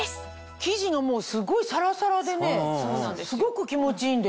生地がもうすっごいサラサラでねすごく気持ちいいんだよね。